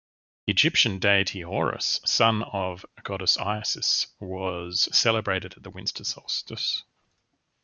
The Egyptian deity Horus, son to goddess Isis, was celebrated at the winter solstice.